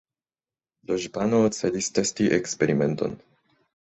Loĵbano celis testi eksperimenton